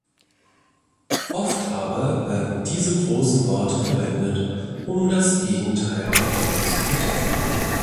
Oft aber werden diese großen Worte verwendet, um das Gegenteil davon zu verdecken.